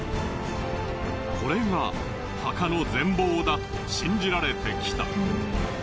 これが墓の全貌だと信じられてきた。